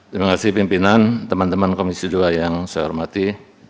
terima kasih pimpinan teman teman komisi dua yang saya hormati